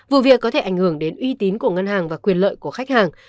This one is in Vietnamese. vụ việc có thể ảnh hưởng đến uy tín của ngân hàng và quyền lợi của khách hàng